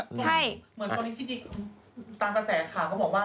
ตามกระแสข่าก็บอกว่าที่จริงอาทิตย์นี้จะเสร็จสิ้นแล้ว